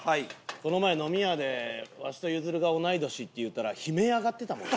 この前飲み屋で「わしとゆずるが同い年」って言うたら悲鳴上がってたもんな。